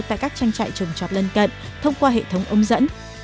tại các trang trại trồng trọt lân cận thông qua hệ thống ống dẫn